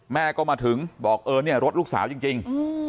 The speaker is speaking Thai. แม่ก็มาถึงบอกเออเนี่ยรถลูกสาวจริง